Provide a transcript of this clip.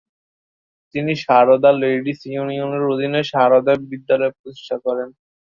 তিনি সারদা লেডিস ইউনিয়নের অধীনে সারদা বিদ্যালয় প্রতিষ্ঠা করেন।